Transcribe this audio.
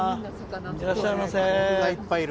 いらっしゃいませ。